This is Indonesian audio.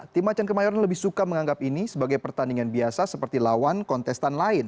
tim achan kemayoran lebih suka menganggap ini sebagai pertandingan biasa